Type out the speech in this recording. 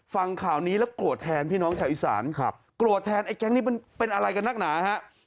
ฟังข่าวนี้แล้วโกรธแทนพี่น้องชาวอีสานโกรธแทนไอ้แก๊งนี้มันเป็นอะไรกันนักหนาฮะ